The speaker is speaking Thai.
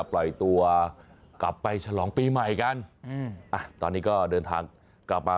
ปล่อยตัวกลับไปฉลองปีใหม่กันอืมอ่ะตอนนี้ก็เดินทางกลับมา